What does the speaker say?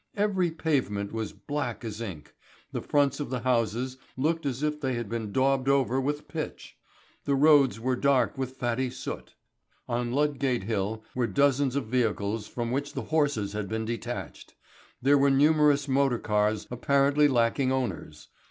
Every pavement was black as ink, the fronts of the houses looked as if they had been daubed over with pitch. The roads were dark with fatty soot. On Ludgate Hill were dozens of vehicles from which the horses had been detached. There were numerous motor cars apparently lacking owners.